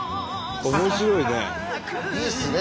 面白いね。